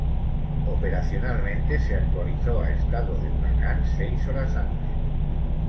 Operacionalmente, se actualizó a estado de huracán seis horas antes.